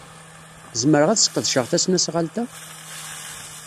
Zemreɣ ad sqedceɣ tasnasɣalt-a?